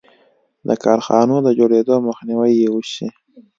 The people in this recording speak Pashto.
د کارخانو د جوړېدو مخنیوی یې وشي.